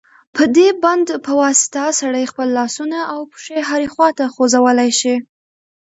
په دې بند په واسطه سړی خپل لاسونه او پښې هرې خواته خوځولای شي.